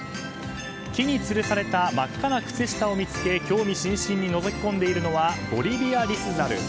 木につるされた真っ赤な靴下を見つけ興味津々にのぞき込んでいるのはボリビアリスザル。